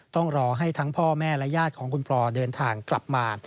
ต้องรอให้ทั้งพ่อแม่และญาติของคุณพลอยเดินทางกลับมา